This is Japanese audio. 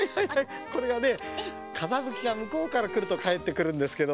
これがねかざむきがむこうからくるとかえってくるんですけど。